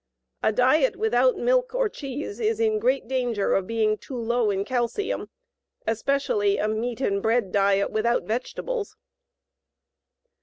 A diet without milk (or cheese) is in great danger of being too low in calcium, especially a meat and bread diet without vegetables.